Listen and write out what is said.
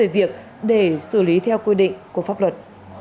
về việc để xử lý theo quy định của pháp luật